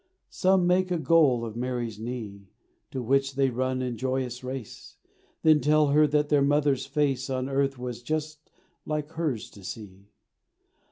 Some make a goal of Mary's knee, To which they run in joyous race; Then tell her that their mother's face On earth was just like hers to see.